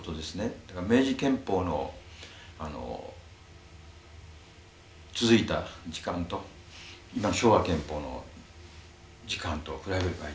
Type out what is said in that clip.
だから明治憲法のあの続いた時間と今の昭和憲法の時間と比べればいい。